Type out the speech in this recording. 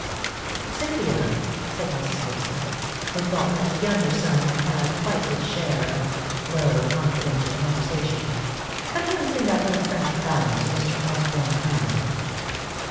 "Cynthia," said Mrs. Gibson, who thought that the younger son had had quite his share of low, confidential conversation, "come here, and sing that little French ballad to Mr. Osborne Hamley."